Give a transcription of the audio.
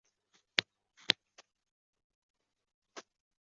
后升任苏州府知府